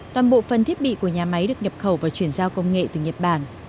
toàn bộ phần thiết bị của nhà máy được nhập khẩu và chuyển giao công nghệ từ nhật bản